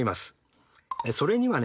それにはね